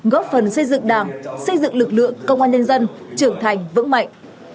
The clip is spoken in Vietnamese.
góp phần xây dựng đảng xây dựng lực lượng công an nhân dân trưởng thành vững mạnh